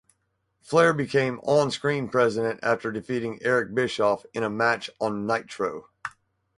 Flair became on-screen president after defeating Eric Bischoff in a match on "Nitro".